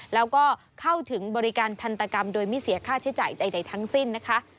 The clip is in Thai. แล้วก็เข้าถึงบริการทันตกรรมโดยไม่เสียค่าใช้จ่ายใดทั้งสิ้นนะคะ